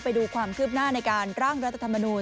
ไปดูความคืบหน้าในการร่างรัฐธรรมนูล